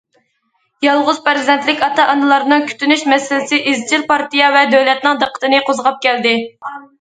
يالغۇز پەرزەنتلىك ئاتا- ئانىلارنىڭ كۈتۈنۈش مەسىلىسى ئىزچىل پارتىيە ۋە دۆلەتنىڭ دىققىتىنى قوزغاپ كەلدى.